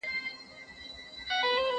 سندري د ملګرو له خوا اورېدلې کيږي!!